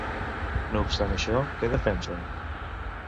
No obstant això, què defensa?